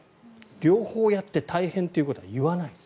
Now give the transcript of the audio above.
両方やって大変ということは言わない。